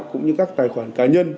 cũng như các tài khoản cá nhân